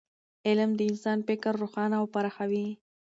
علم د انسان فکر روښانه او پراخوي.